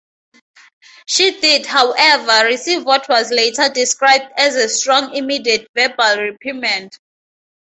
She did, however, receive what was later described as a "strong, immediate, verbal reprimand".